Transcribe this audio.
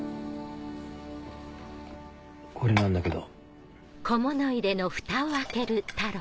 これなんだけど。